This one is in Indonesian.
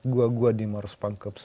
gua gua di mars punk hubs